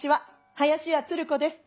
林家つる子です。